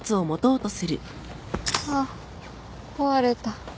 あっ壊れた。